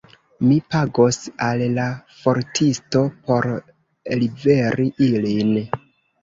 Mi pagos al la portisto por liveri ilin.